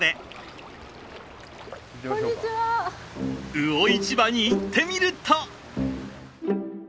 魚市場に行ってみると。